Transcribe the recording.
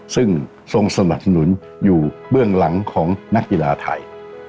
ซึ่งทรงสนับสนุนอยู่เบื้องหลังของนักกีฬาไทย